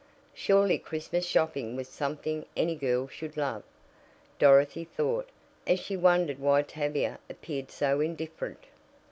Surely Christmas shopping was something any girl should love, Dorothy thought, as she wondered why Tavia appeared so indifferent.